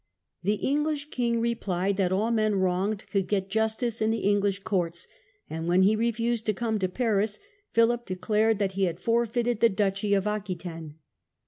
The English king replied that all men wronged could get justice in the English courts; and when he refused to come to Paris, Philip declared that he had forfeited the duchy of Aquitaine.